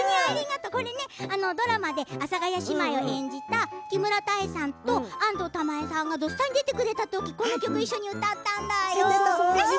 これねドラマで阿佐ヶ谷姉妹を演じた木村多江さんと安藤玉恵さんが「土スタ」に出てくれたときこの曲、一緒に歌ったんだよ。